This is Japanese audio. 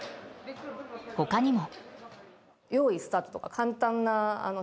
他にも。